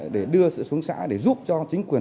để đưa sự xuống xã để giúp cho chính quyền